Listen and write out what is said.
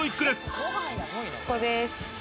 ここです。